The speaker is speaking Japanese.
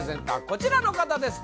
こちらの方です